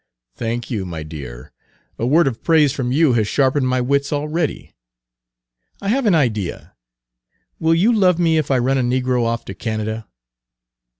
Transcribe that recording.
"Thank you, my dear; a word of praise from you has sharpened my wits already. I have an idea! Will you love me if I run a negro off to Canada?"